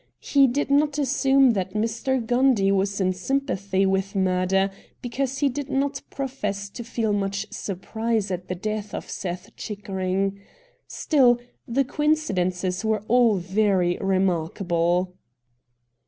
He did not assume that Mr. Gundy was in sympathy with murder because he did not profess to feel much surprise at the death of Seth Chickering. Still, the coincidences were all very remarkable.